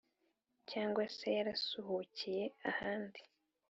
cyangwa se yarasuhukiye ahandi